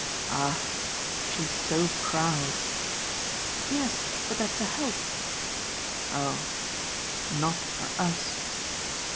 "Ah she's so proud!" "Yes, but that's a help." "Oh not for US!"